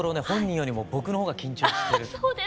本人よりも僕のほうが緊張してる。